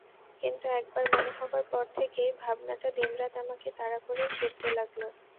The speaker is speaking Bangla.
কিন্তু একবার মনে হবার পর থেকেই ভাবনাটা দিনরাত আমাকে তাড়া করে ফিরতে লাগল।